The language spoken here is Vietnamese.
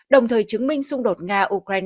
đồng thời chứng minh xung đột nga ukraine